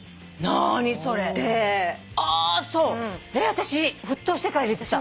私沸騰してから入れてた。